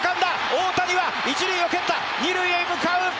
大谷は一塁を蹴った二塁へ向かう。